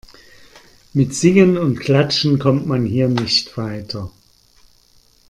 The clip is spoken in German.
Mit Singen und Klatschen kommt man hier nicht weiter.